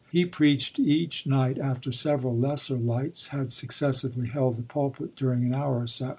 He preached each night after several lesser lights had successively held the pulpit during an hour or so.